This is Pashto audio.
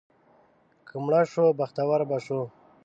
که مړه شو، بختور به شو.